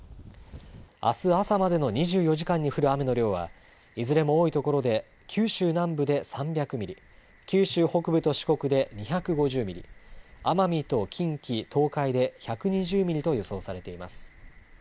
あす朝までの２４時間に降る雨の量はいずれも多いところで九州南部で３００ミリ、九州北部と四国で２５０ミリ、奄美と近畿、東海で１２０ミリと予想されています。